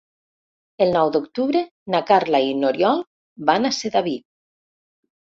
El nou d'octubre na Carla i n'Oriol van a Sedaví.